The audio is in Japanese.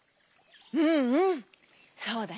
うんうんそうだね。